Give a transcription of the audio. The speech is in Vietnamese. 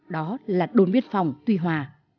đó là đồn biên phòng tuy hòa